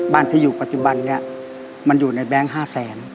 บ้านที่อยู่ปัจจุบันอยู่ในแบงค์ห้าแสน